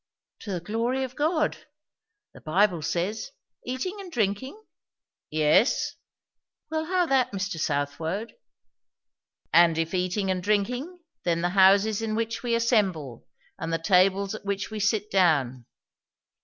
"'To the glory of God.' The Bible says, eating and drinking?" "Yes." "Well how that, Mr. Southwode?" "And if eating and drinking, then the houses in which we assemble, and the tables at which we sit down."